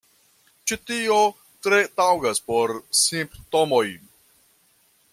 Ĉi tio tre taŭgas por Simptomoj.